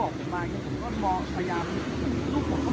ตอนนี้กำหนังไปคุยของผู้สาวว่ามีคนละตบ